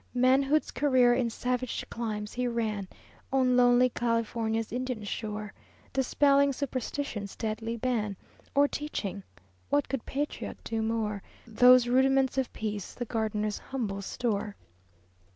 Manhood's career in savage climes he ran, On lonely California's Indian shore Dispelling superstition's deadly ban, Or teaching (what could patriot do more?) Those rudiments of peace, the gardener's humble store.